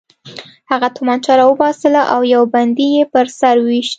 هغه توپانچه راوباسله او یو بندي یې په سر وویشت